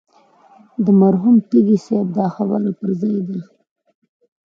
مرحوم تږي صاحب دا خبره پر ځای ده.